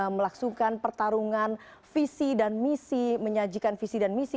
melaksukan pertarungan visi dan misi menyajikan visi dan misi